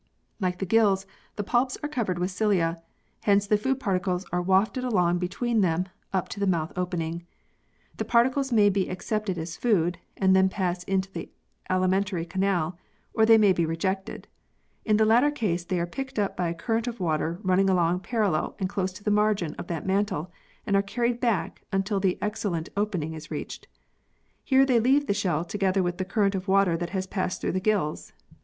Like the gills, the palps are covered with cilia, hence the food particles are wafted along between them up to the mouth opening. The particles may be accepted as food (and then they pass into the alimentary canal) or they may be rejected. In the latter case they are picked up by a current of water running along parallel and close to the margin of the mantle and are carried back until the exhalent opening is reached. Here they leave the shell together with the current of water that has passed through the gills.